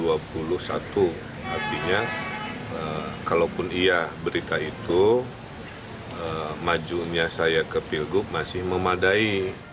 artinya kalaupun iya berita itu majunya saya ke pilgub masih memadai